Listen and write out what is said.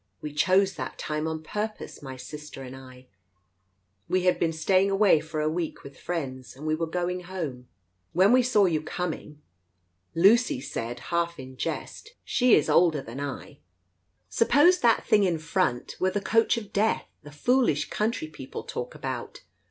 We choose that time on purpose, my sister and I — we had been staying away for a week with friends, and we were going home. When we saw you coming, Lucy said, half in jest — she is older than I —' Suppose Digitized by Google THE COACH iS3 that thing in front were the Coach of Death the foolish country people talk about